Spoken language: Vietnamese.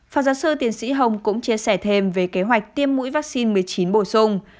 phó giáo sư tiến sĩ hồng cũng chia sẻ thêm về kế hoạch tiêm mũi vaccine một mươi chín bổ sung